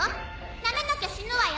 なめなきゃ死ぬわよ」